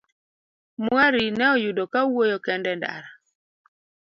Mwari ne oyudo ka owuoyo kende e ndara.